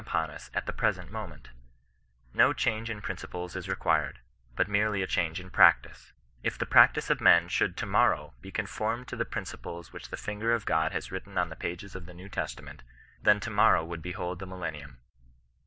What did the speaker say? • upon Of at the fvresent moment No diange in priiua pi6f is required, but merely a change in pmetieeL If the practice of men should to morrow be cmifonnad to the principles which the finger of God has written on the pages of the New Testament, then to motrow woold be hold the millennium.